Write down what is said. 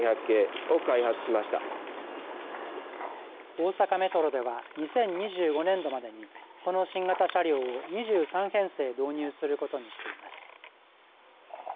大阪メトロでは２０２５年度までにこの新型車両を２３編成導入することにしています。